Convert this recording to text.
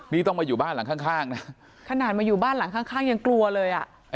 นี่ต้องมาอยู่บ้านหลังข้างนะขนาดมาอยู่บ้านหลังข้างยังกลัวเลยอ่ะ